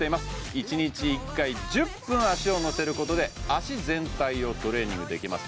１日１回１０分足を乗せることで脚全体をトレーニングできます